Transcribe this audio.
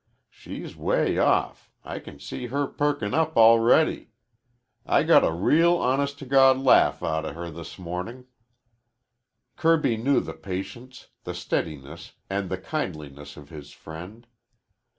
She's 'way off, I can see her perkin' up already. I got a real honest to God laugh outa her this mo'nin'." Kirby knew the patience, the steadiness, and the kindliness of his friend.